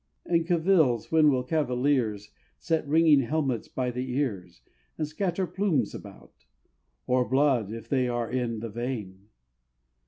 In cavils when will cavaliers Set ringing helmets by the ears, And scatter plumes about? Or blood if they are in the vein?